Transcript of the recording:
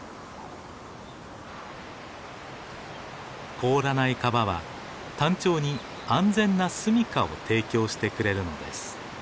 凍らない川はタンチョウに安全なすみかを提供してくれるのです。